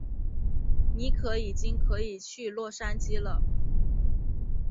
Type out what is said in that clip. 尼可已经可以去洛杉矶了。